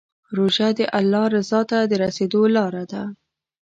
روژه د الله رضا ته د رسېدو لاره ده.